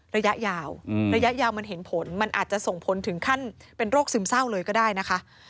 ระยะยาวระยะยาวมันเห็นผลมันอาจจะส่งผลถึงขั้นเป็นโรคซึมเศร้าเลยก็ได้นะคะ